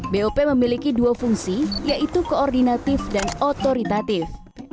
bop memiliki dua fungsi yaitu koordinatif dan otoritatif